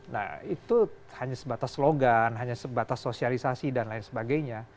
nah itu hanya sebatas slogan hanya sebatas sosialisasi dan lain sebagainya